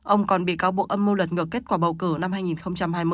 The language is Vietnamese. ông còn bị cáo buộc âm mưu lật ngược kết quả bầu cử năm hai nghìn hai mươi